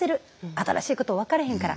新しいこと分からへんから。